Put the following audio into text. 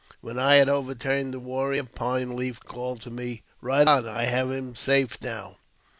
When I had over turned the warrior. Pine Leaf called to me, " Eide on; I have him safe now."